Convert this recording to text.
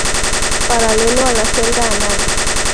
Paralelo a la celda anal.